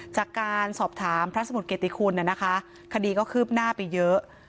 จากการสอบถามพระสมุทรเกติคุณคดีก็คืบหน้าไปเยอะ